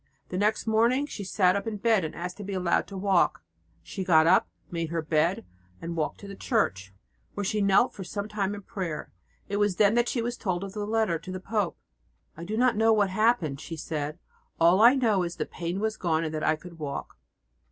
The next morning she sat up in bed and asked to be allowed to try to walk. She got up, made her bed and walked to the church, where she knelt for some time in prayer. It was then that she was told of the letter to the pope. "I did not know what had happened," she said, "all that I knew was that the pain was gone and that I could walk."